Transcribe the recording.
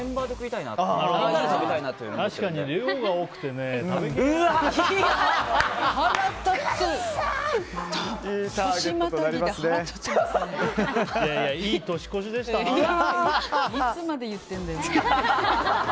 いつまで言ってるんだよ。